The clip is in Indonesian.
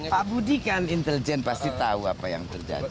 pak budi kan intelijen pasti tahu apa yang terjadi